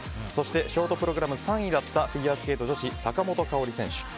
そして、ショートプログラム３位だったフィギュアスケート女子坂本花織選手。